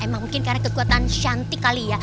emang mungkin karena kekuatan cantik kali ya